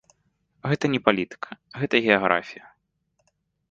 Гэта не палітыка, гэта геаграфія.